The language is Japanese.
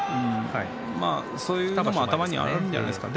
そういうのも頭にあるんじゃないですか。